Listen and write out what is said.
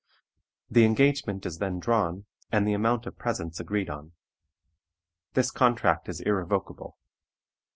The engagement is then drawn, and the amount of presents agreed on. This contract is irrevocable.